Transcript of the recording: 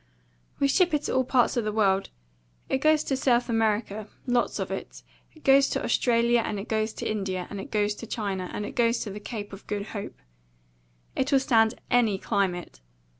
"We ship it to all parts of the world. It goes to South America, lots of it. It goes to Australia, and it goes to India, and it goes to China, and it goes to the Cape of Good Hope. It'll stand any climate.